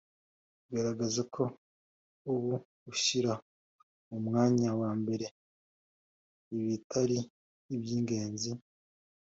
bigaragaza ko uba ushyira mu mwanya wa mbere ibitari iby ingenzi